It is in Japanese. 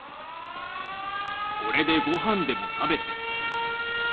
これでごはんでも食べて。